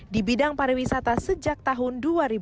di bidang pariwisata sejak tahun dua ribu lima belas